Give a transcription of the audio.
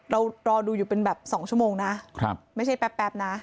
เรารอดูอยู่เป็นแบบ๒ชั่วโมงนะไม่ใช่แป๊บนะ